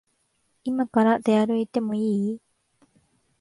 いまから出歩いてもいい？